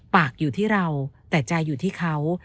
ปากอยู่ที่เราแต่ใจอยู่ที่เขา